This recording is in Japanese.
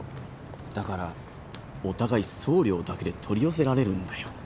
だからお互い送料だけで取り寄せられるんだよ。